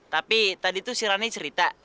tapi tadi tuh si rani cerita